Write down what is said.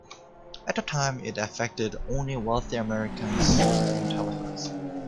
At the time, it affected only wealthy Americans who owned telephones.